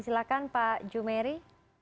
silahkan pak jumeri